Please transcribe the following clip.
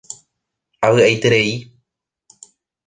Avy'aiterei.